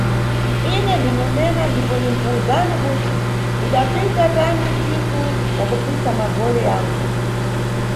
Ine ndine Mena ndipo ninkuwuzani kuti ndidapita tani ntsiku ya kupfitsa magole yangu